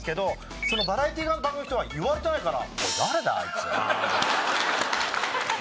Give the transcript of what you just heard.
そのバラエティー側の番組の人は言われてないから。